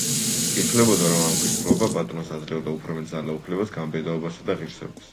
ითვლებოდა, რომ ამ ქვის ფლობა პატრონს აძლევდა უფრო მეტ ძალაუფლებას, გამბედაობას და ღირსებას.